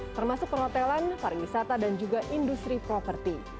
termasuk perhotelan pariwisata dan juga industri properti